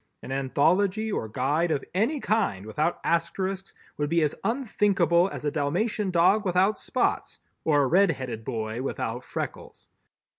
An anthology or guide of any kind without Asterisks would be as unthinkable as a Dalmatian dog without spots or a red headed boy without freckles.